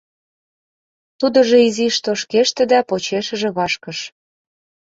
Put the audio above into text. Тудыжо изиш тошкеште да почешыже вашкыш.